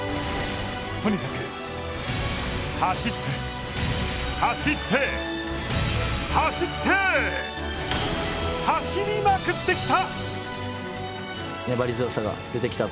とにかく、走って、走って、走って走りまくってきた！